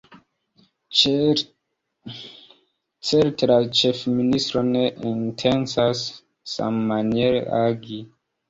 Certe la ĉefministro ne intencas sammaniere agi.